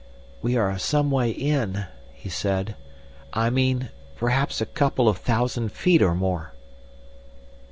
"We are some way in," he said. "I mean—perhaps a couple of thousand feet or more."